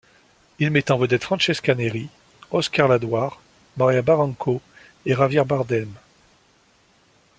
Il met en vedette Francesca Neri, Óscar Ladoire, María Barranco et Javier Bardem.